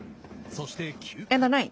そして、９回。